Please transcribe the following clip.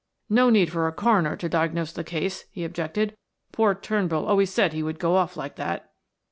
"No need for a coroner to diagnose the case," he objected. "Poor Turnbull always said he would go off like that."